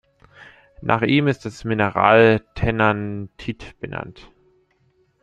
Nach ihm ist das Mineral Tennantit benannt.